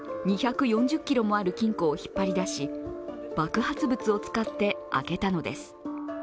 ２４０ｋｇもある金庫を引っ張り出し爆発物を使って開けたのです。